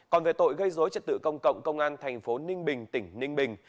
còn về tội gây dối trật tự công cộng công an thành phố ninh bình tỉnh ninh bình